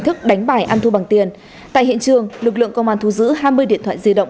thức đánh bài ăn thu bằng tiền tại hiện trường lực lượng công an thu giữ hai mươi điện thoại di động